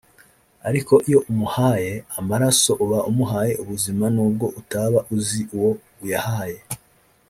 Ariko iyo umuhaye amaraso uba umuhaye ubuzima nubwo utaba uzi uwo uyahaye